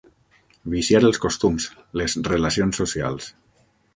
Viciar els costums, les relacions socials.